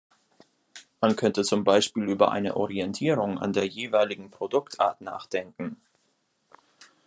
Man könnte zum Beispiel über eine Orientierung an der jeweiligen Produktart nachdenken.